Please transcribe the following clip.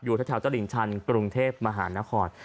อยู่แถวเจ้าหลิงชันกรุงเทพมหานคร